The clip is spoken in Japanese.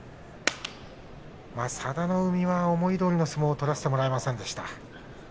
佐田の海は自分の相撲を取らせてもらえませんでした。